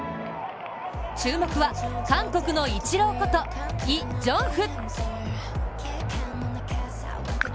注目は、韓国のイチローことイ・ジョンフ。